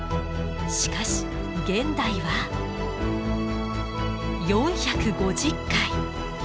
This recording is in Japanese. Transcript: しかし現代は４５０回。